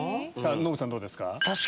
ノブさんどうですか？